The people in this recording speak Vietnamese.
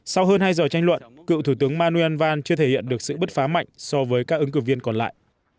sau hơn hai giờ tranh luận cựu thủ tướng manuel van chưa thể hiện được sự bứt phá mạnh so với các ứng cử viên còn lại